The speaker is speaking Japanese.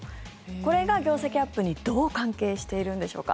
これが業績アップにどう関係しているんでしょうか。